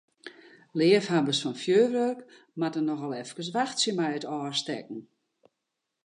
Leafhawwers fan fjurwurk moatte noch al efkes wachtsje mei it ôfstekken.